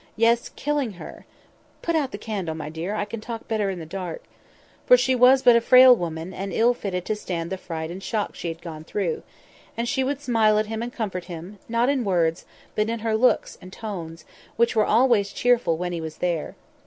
Yes! killing her (put out the candle, my dear; I can talk better in the dark), for she was but a frail woman, and ill fitted to stand the fright and shock she had gone through; and she would smile at him and comfort him, not in words, but in her looks and tones, which were always cheerful when he was there.